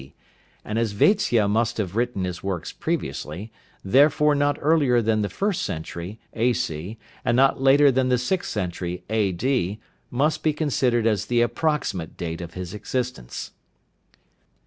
D., and as Vatsya must have written his works previously, therefore not earlier than the first century, A.C., and not later than the sixth century A.D., must be considered as the approximate date of his existence.